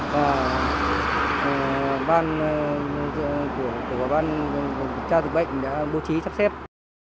và ban của ban trang thực bệnh đã bố trí chấp xếp